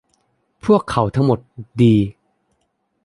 พวกเขาทั้งหมดดี